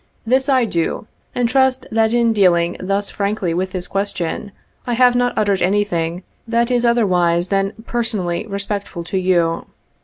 This I do, and I trust that in deal ing thus frankly with this question, I have not uttered anything that is otherwise than personally respectful to you.